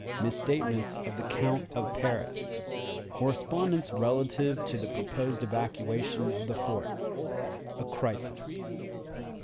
Misstatements of the Count of Paris. Correspondence relative to Proposed Evacuation of the Fort. A Crisis.